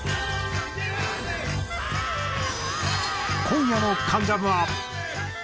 今夜の『関ジャム』は。